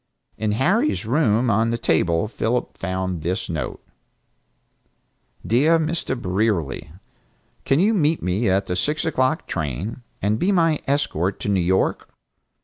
In Harry's room on the table Philip found this note: "Dear Mr. Brierly: Can you meet me at the six o'clock train, and be my escort to New York?